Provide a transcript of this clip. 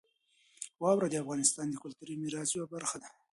واوره د افغانستان د کلتوري میراث یوه مهمه برخه ده.